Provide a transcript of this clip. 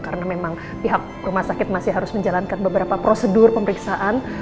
karena memang pihak rumah sakit masih harus menjalankan beberapa prosedur pemeriksaan